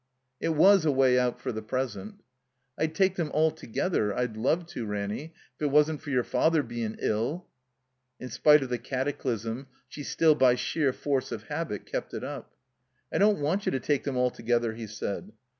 It was a way out for the present. "I'd take them altogether — I'd love to, Ranny — if it wasn't for your Father bein' ill." In spite of the cataclysm, she still by sheer force of habit kept it up. "I don't want you to take them altogether," he said.